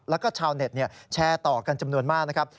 แล้วก็ชาวเน็ตแชร์ต่อกันจำนวนมากนะครับ